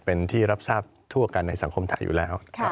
เป็นที่รับทราบทั่วกันในสังคมไทยอยู่แล้ว